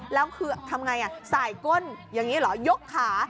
แล้วคือทำอย่างไรใส่ก้นยกขา